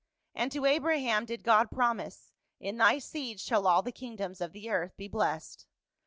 And to Abraham did God promise, ' in thy seed shall all the kingdoms of the earth be blessed.'